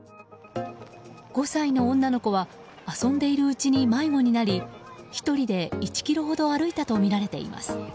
５歳の女の子は遊んでいるうちに迷子になり１人で１ｋｍほど歩いたとみられています。